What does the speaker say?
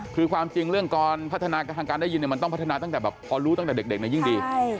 คือความจริงเรื่องการพัฒนาทางการได้ยินมันต้องพัฒนาตั้งแต่แบบพอรู้ตั้งแต่เด็กยิ่งดี